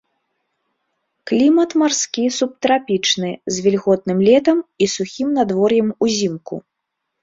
Клімат марскі субтрапічны з вільготным летам і сухім надвор'ем узімку.